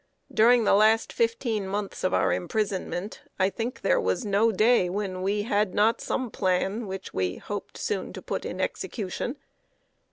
During the last fifteen months of our imprisonment, I think there was no day when we had not some plan which we hoped soon to put in execution.